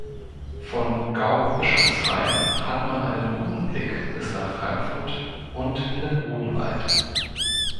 Von Gau-Bischofsheim hat man einen guten Blick bis nach Frankfurt und in den Odenwald.